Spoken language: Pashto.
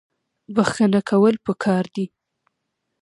بخښنه کول پکار دي